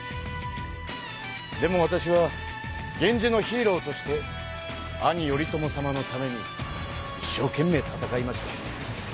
でもわたしは源氏のヒーローとして兄頼朝様のためにいっしょうけんめい戦いました。